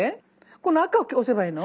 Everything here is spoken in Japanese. この赤を押せばいいの？